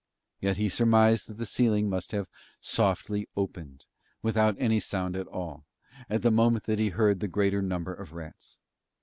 Yet he surmised that the ceiling must have softly opened, without any sound at all, at the moment that he heard the greater number of rats.